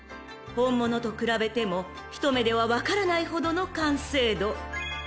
［本物と比べても一目では分からないほどの完成度］